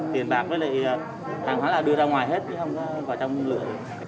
tiền bạc với hàng hóa đưa ra ngoài hết không có vào trong lựa